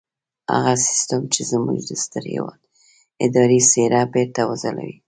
هغه سيستم چې زموږ د ستر هېواد اداري څېره بېرته وځلوي.